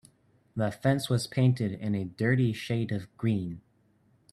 The fence was painted in a dirty shade of green.